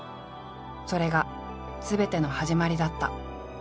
それがすべての始まりだった。